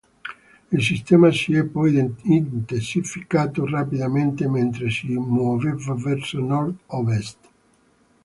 Il sistema si è poi intensificato rapidamente mentre si muoveva verso nord-ovest.